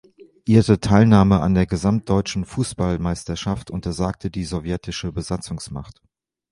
Ihre Teilnahme an der gesamtdeutschen Fußballmeisterschaft untersagte die sowjetische Besatzungsmacht.